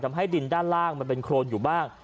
ทำให้ดินด้านล่างมันเป็นโครนอยู่บ้าง